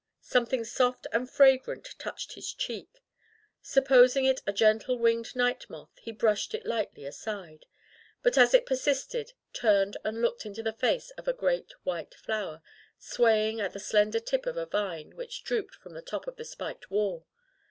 Something soft and fragrant touched his cheek. Supposing it a gentle winged night moth, he brushed it lightly aside, but as it persisted, turned and looked into the face of a great white flower, swaying at the slender tip of a vine which drooped from the top of the spiked wall.